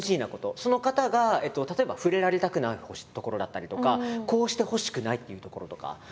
その方が例えば触れられたくないところだったりとかこうしてほしくないっていうところとか。